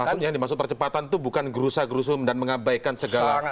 maksudnya yang dimaksud percepatan itu bukan gerusa gerusum dan mengabaikan segala